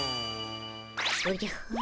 おじゃふ。